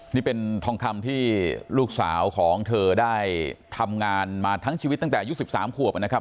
นี่เป็นทองคำที่ลูกสาวของเธอได้ทำงานมาทั้งชีวิตตั้งแต่อายุ๑๓ขวบนะครับ